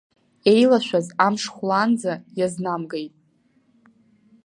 Еилашәаз амш хәлаанӡа иазнамгеит.